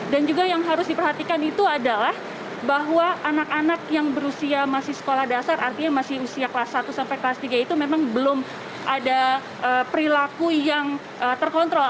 dan juga yang harus diperhatikan itu adalah bahwa anak anak yang berusia masih sekolah dasar artinya masih usia kelas satu sampai kelas tiga itu memang belum ada perilaku yang terkontrol